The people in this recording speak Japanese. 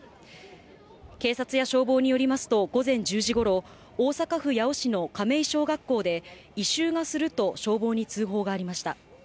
警察や消防によりますと、午前１０時ごろ、大阪府八尾市の亀井小学校で、異臭がすると、消防に通報がありました。